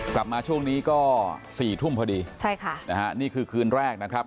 กลับมาช่วงนี้ก็สี่ทุ่มพอดีใช่ค่ะนะฮะนี่คือคืนแรกนะครับ